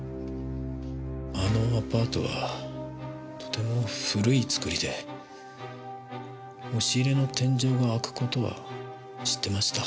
あのアパートはとても古い造りで押し入れの天井が開く事は知っていました。